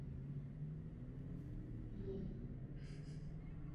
Do Lužické Nisy se vlévá zprava ve Stráži nad Nisou.